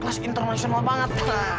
kelas internasional banget